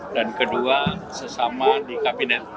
dan kedua sesama di kabinet